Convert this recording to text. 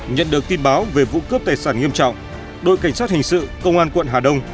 nhận được tin báo về vụ cướp tài sản nghiêm trọng đội cảnh sát hình sự công an quận hà đông